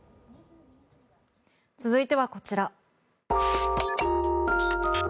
続いてはこちら。